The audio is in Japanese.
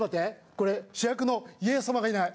これ主役の家康様がいない。